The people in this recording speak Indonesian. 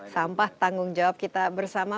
sampah tanggung jawab kita bersama